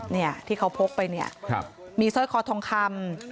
นี่ที่เขาพกไปมีซ้อยคอทองคำ